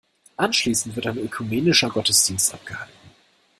Anschließend wird ein ökumenischer Gottesdienst abgehalten.